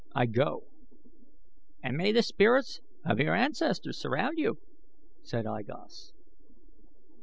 I go!" "And may the spirits of your ancestors surround you," said I Gos.